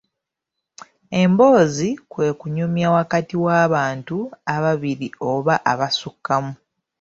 Emboozi kwe kunyumya wakati w'abantu ababiri oba abasukkamu.